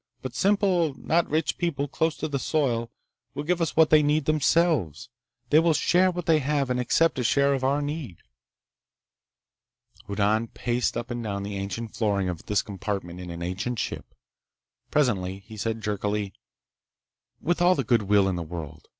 But simple, not rich people, close to the soil, will give us what they need themselves. They will share what they have, and accept a share of our need." Hoddan paced up and down the ancient flooring of this compartment in an ancient ship. Presently he said jerkily: "With all the good will in the world....